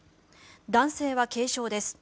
男性は軽傷です。